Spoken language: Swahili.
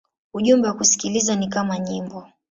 Ujumbe wa kusikiliza ni kama nyimbo.